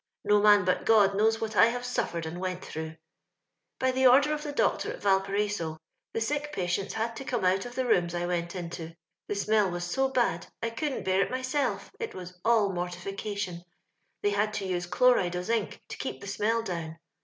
No man but God knows what I have suffered and wont through. *• By the order of tho doctor at Valparaiso, the sick patients had to come out of the room I went into ; the smell was so bad I couldn't bear it myself — it was all mortification — they had to use chloride o' zinc to keep the smeU down.